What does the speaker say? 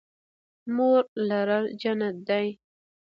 مور لرل جنت دی